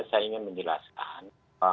saya ingin menjelaskan